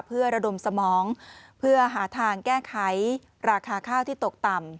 เพื่อระดมสมองเพื่อหาทางแก้ไขราคาข้าวที่ตกต่ำ